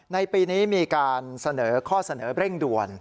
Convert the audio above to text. ในปีนี้มีการเสนอข้อเสนอเร่งด่วน